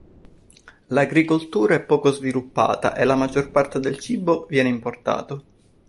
L'agricoltura è poco sviluppata e la maggior parte del cibo viene importato.